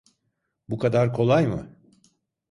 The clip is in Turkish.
Bu kadar kolay mı?